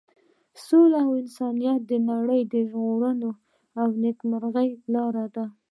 سوله او انسانیت د نړۍ د ژغورنې او نیکمرغۍ لاره ده.